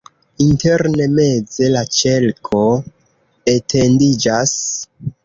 Interne meze la ĉerko etendiĝas.